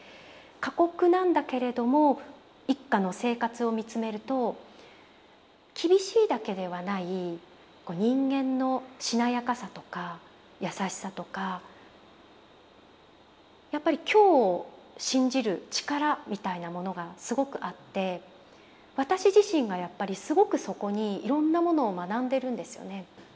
過酷なんだけれども一家の生活をみつめると厳しいだけではない人間のしなやかさとか優しさとかやっぱり今日を信じる力みたいなものがすごくあって私自身がやっぱりすごくそこにいろんなものを学んでるんですよね。